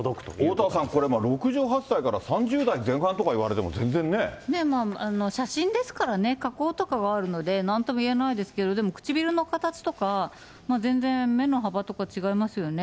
おおたわさん、これ、６０代から、写真ですからね、加工とかはあるので、なんともいえないですけど、でも唇の形とか、全然、目の幅とか違いますよね。